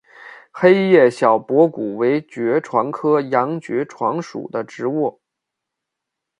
黑叶小驳骨为爵床科洋爵床属的植物。